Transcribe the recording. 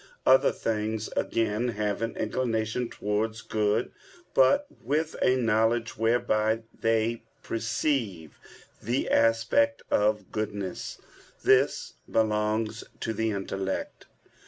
Other things, again, have an inclination towards good, but with a knowledge whereby they perceive the aspect of goodness; this belongs to the intellect.